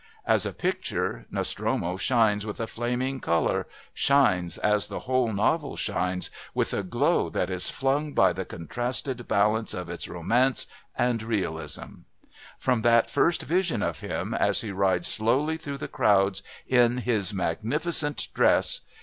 As a picture, Nostromo shines with a flaming colour, shines, as the whole novel shines, with a glow that is flung by the contrasted balance of its romance and realism. From that first vision of him as he rides slowly through the crowds, in his magnificent dress